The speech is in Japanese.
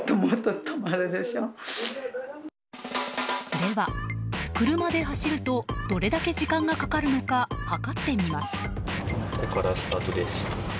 では、車で走るとどれだけ時間がかかるのか計ってみます。